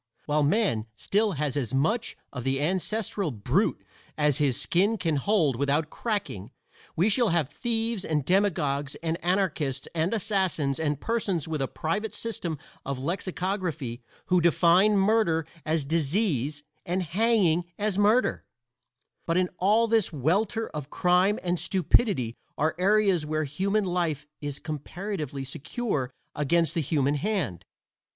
While man still has as much of the ancestral brute as his skin can hold without cracking we shall have thieves and demagogues and anarchists and assassins and persons with a private system of lexicography who define murder as disease and hanging as murder, but in all this welter of crime and stupidity are areas where human life is comparatively secure against the human hand.